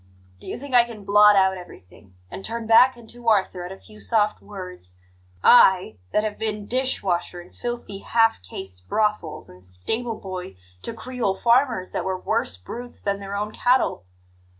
Do you think I can blot out everything, and turn back into Arthur at a few soft words I, that have been dish washer in filthy half caste brothels and stable boy to Creole farmers that were worse brutes than their own cattle?